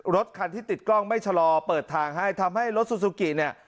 รถคันที่ติดกล้องไม่ชะลอเปิดทางให้ทำให้รถซูซูกิเนี่ย